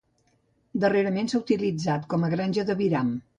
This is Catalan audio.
Darrerament s'ha utilitzat com a granja d'aviram.